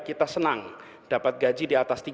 kita senang dapat gaji di atas